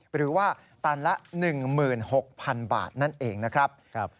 หรือว่าตันละ๑๖๐๐๐บาทนั่นเองนะครับ